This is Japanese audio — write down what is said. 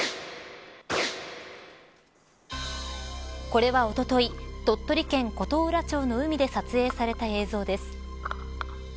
これはおととい鳥取県琴浦町の海で撮影された映像です。